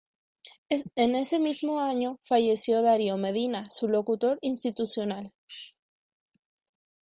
En ese mismo año falleció Darío Medina, su locutor institucional.